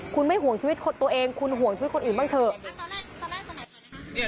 คุณไม่ห่วงชีวิตคนตัวเองคุณห่วงชีวิตคนอื่นบ้างเถอะ